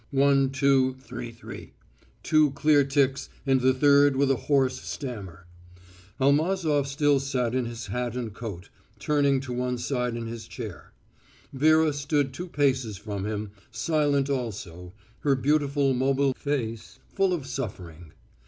one, two, three three two clear ticks, and the third with a hoarse stammer. Almazof still sat in his hat and coat, turning to one side in his chair.... Vera stood two paces from him, silent also, her beautiful mobile face full of suffering.